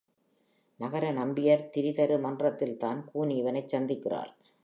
நகர நம்பியர் திரிதரு மன்றத்தில்தான் கூனி இவனைச் சந்திக்கிறாள்.